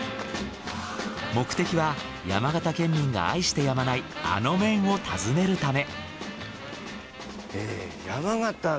目的は山形県民が愛してやまないあの麺を訪ねるため。